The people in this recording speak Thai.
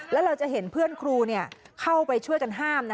แล้วเราจะเห็นเพื่อนครูเข้าไปช่วยกันห้าม